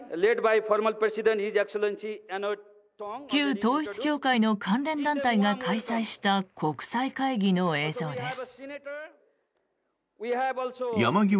旧統一教会の関連団体が開催した国際会議の映像です。